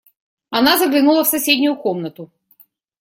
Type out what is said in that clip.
Она заглянула в соседнюю комнату.